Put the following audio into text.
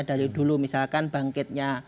dari dulu misalkan bangkitnya